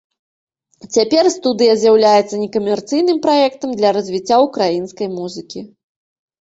Цяпер студыя з'яўляецца некамерцыйным праектам для развіцця ўкраінскай музыкі.